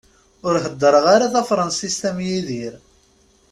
Ur heddreɣ ara Tafransist am Yidir.